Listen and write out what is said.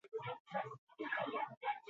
Nola ikasi lasaiago jaten?